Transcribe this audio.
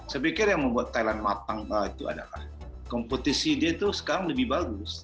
saya pikir yang membuat thailand matang itu adalah kompetisi dia itu sekarang lebih bagus